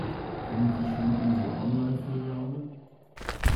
Kennen Sie schon unsere Online-Filiale?